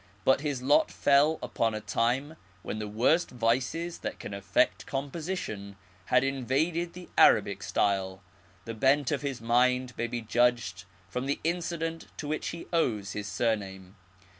But his lot fell upon a time when the worst vices that can affect composition had invaded the Arabic style. The bent of his mind may be judged from the incident to which he owes his surname.